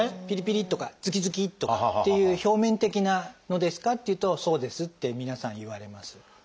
「ピリピリとかズキズキとかっていう表面的なのですか？」って言うと「そうです」って皆さん言われます。